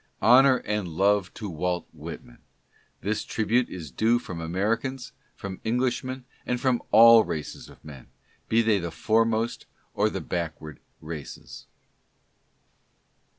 Honor and love to Walt Whitman. This tribute is due from Americans, from Englishmen and from all races of men, be they the foremost or the backward races.